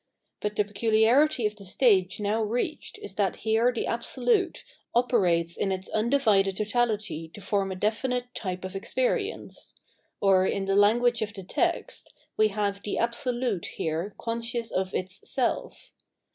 But the pecu liarity of the stage now reached is that here the Absolute operate in ite undivided totality to form a definite type of experience; or, in the language of tbe text, we have the Absolute here conscious of its self.